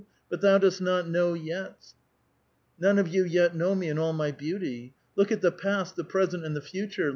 But thou dost not know yet; none of you yet know me in all my beaut}^ Look at the past, the present, and the future